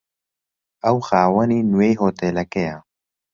ئەو خاوەنی نوێی هۆتێلەکەیە.